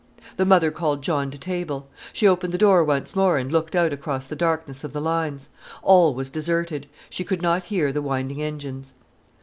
The mother called John to table. She opened the door once more and looked out across the darkness of the lines. All was deserted: she could not hear the winding engines.